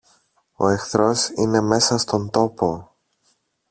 Ο εχθρός είναι μέσα στον τόπο!